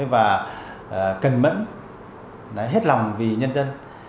và cẩn mẫn hết lòng vì nhân dân